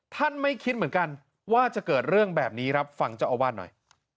ไม่คิดเหมือนกันว่าจะเกิดเรื่องแบบนี้ครับฟังเจ้าอาวาสหน่อย